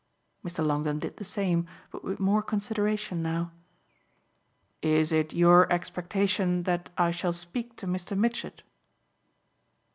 Mr. Longdon did the same, but with more consideration now. "Is it your expectation that I shall speak to Mr. Mitchett?"